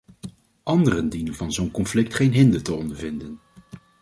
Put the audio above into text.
Anderen dienen van zo'n conflict geen hinder te ondervinden.